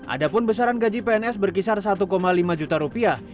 adapun besaran gaji pns berkisar satu lima juta rupiah